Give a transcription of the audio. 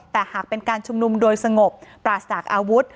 แต่หากเป็นการชุมนุมโดยสงบปราศจากอาวุธ